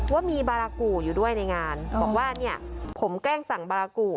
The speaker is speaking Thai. ว่ามีบารากูอยู่ด้วยในงานบอกว่าเนี่ยผมแกล้งสั่งบารากู